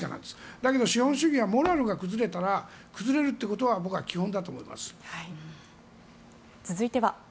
だけど資本主義はモラルが崩れたら崩れることは基本だと思います。